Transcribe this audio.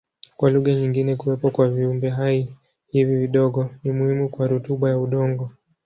Kwa lugha nyingine kuwepo kwa viumbehai hivi vidogo ni muhimu kwa rutuba ya udongo.